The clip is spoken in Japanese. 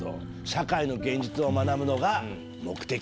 社会の現実を学ぶのが目的。